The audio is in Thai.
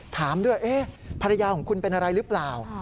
ถามด้วยภรรยาของคุณเป็นอะไรหรือเปล่า